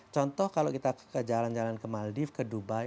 contoh kalau kita jalan jalan ke maldive ke dubai